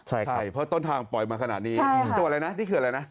ใช่ครับเพราะต้นทางปล่อยมาขนาดนี้ใช่ครับ